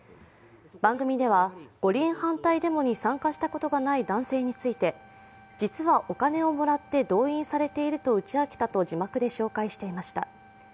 番組では五輪反対デモに参加したことがない男性について、実はお金をもらって動員されていると打ち明けたと字幕で紹介していました。